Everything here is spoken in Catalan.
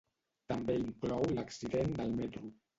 També inclou l’accident del metro.